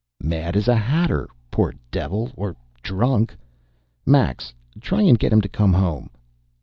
"Mad as a hatter, poor devil or drunk. Max, try and get him to come home."